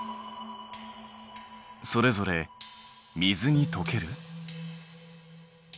それぞれ水にとける？